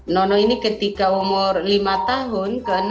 nono ini ketika umur lima tahun ke enam